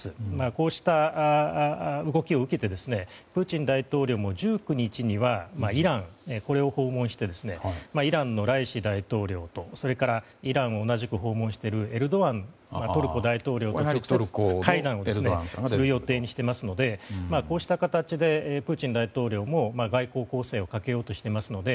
こうした動きを受けてプーチン大統領も１９日にはイランを訪問してイランの大統領とそれからイランを同じく訪問しているトルコのエルドアン大統領と直接会談をする予定にしていますので、こうした形でプーチン大統領も外交攻勢をかけようとしていますので